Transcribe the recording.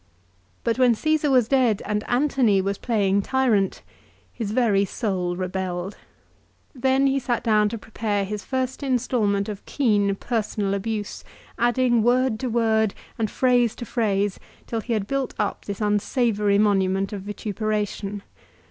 But, when Caesar was dead and Antony was playing tyrant his very soul rebelled. Then he sat down to prepare his first instalment of keen personal abuse, adding word to word and phrase to phrase, till he had built up this unsavoury monument of vituperation.